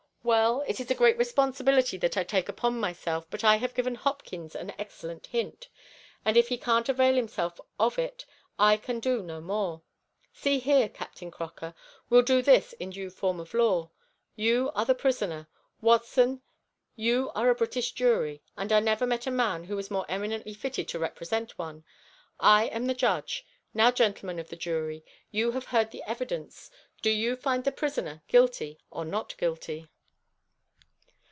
Well, it is a great responsibility that I take upon myself, but I have given Hopkins an excellent hint, and if he can't avail himself of it I can do no more. See here, Captain Croker, we'll do this in due form of law. You are the prisoner. Watson, you are a British jury, and I never met a man who was more eminently fitted to represent one. I am the judge. Now, gentleman of the jury, you have heard the evidence. Do you find the prisoner guilty or not guilty?"